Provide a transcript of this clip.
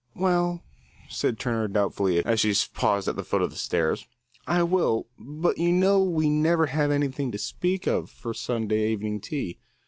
"Well," said Turner doubtfully, as she paused at the foot of the stairs, "I will, but you know we never have anything to speak of for Sunday evening tea.